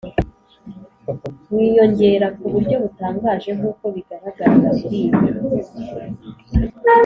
wiyongera ku buryo butangaje nk uko bigaragarira muri iyi